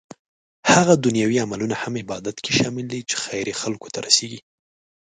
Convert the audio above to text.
هغه دنيوي عملونه هم عبادت کې شامل دي چې خير يې خلکو ته رسيږي